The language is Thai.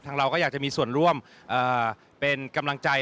เราก็อยากจะมีส่วนร่วมเป็นกำลังใจ